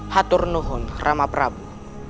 haturnuhun rama prabu